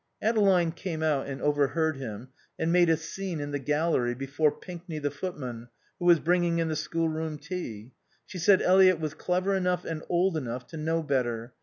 Adeline came out and overheard him and made a scene in the gallery before Pinkney, the footman, who was bringing in the schoolroom tea. She said Eliot was clever enough and old enough to know better.